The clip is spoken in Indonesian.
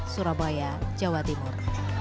surabaya jawa timur